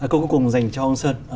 cô có cùng dành cho ông sơn